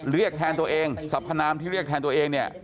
เรียกแทนตัวเองสัพพนามที่เรียกแทนตัวเองเนี่ย